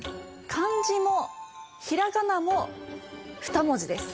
漢字もひらがなも２文字です。